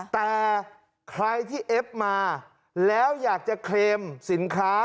แต่ใครที่เอฟมาแล้วอยากจะเคลมสินค้า